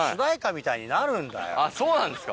そうなんですか。